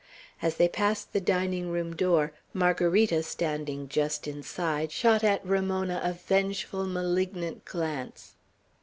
As they passed the dining room door, Margarita, standing just inside, shot at Ramona a vengeful, malignant glance.